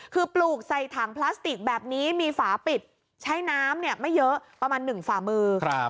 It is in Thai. คือปลูกใส่ถังพลาสติกแบบนี้มีฝาปิดใช้น้ำไม่เยอะประมาณ๑ฝ่ามือ